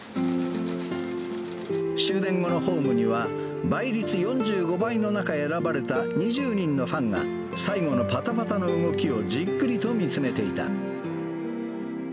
終電後のホームには、倍率４５倍の中、選ばれた２０人のファンが、最後のぱたぱたの動きをじっくりと見つめていた。